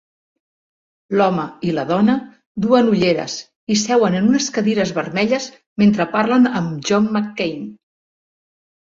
L'home i la dona duen ulleres i seuen en unes cadires vermelles mentre parlen amb John McCain